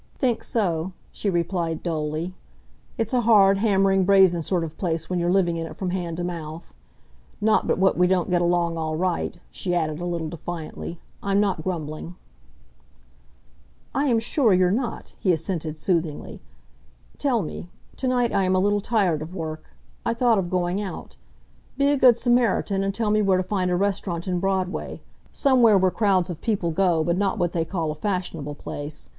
"Think so," she replied dully. "It's a hard, hammering, brazen sort of place when you're living in it from hand to mouth. Not but what we don't get along all right," she added, a little defiantly. "I'm not grumbling." "I am sure you're not," he assented soothingly. "Tell me to night I am a little tired of work. I thought of going out. Be a Good Samaritan and tell me where to find a restaurant in Broadway, somewhere where crowds of people go but not what they call a fashionable place.